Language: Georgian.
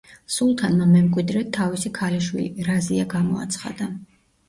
სულთანმა მემკვიდრედ თავისი ქალიშვილი რაზია გამოაცხადა.